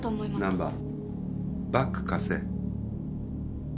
難破バッグ貸せ。